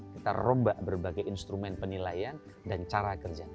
kita rombak berbagai instrumen penilaian dan cara kerja